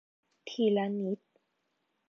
ทีละนิด